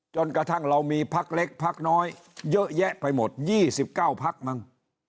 จนกระทั่งเรามีพักเล็กพักน้อยเยอะแยะไปหมด๒๙พักมั้ง